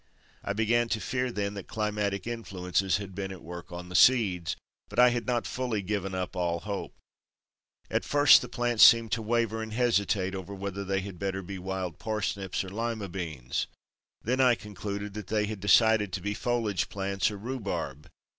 I began to fear then that climatic influences had been at work on the seeds, but I had not fully given up all hope. At first the plants seemed to waver and hesitate over whether they had better be wild parsnips or Lima beans. Then I concluded that they had decided to be foliage plants or rhubarb.